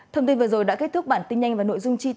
thông tin vừa rồi đã kết thúc bản tin nhanh và nội dung chi tiết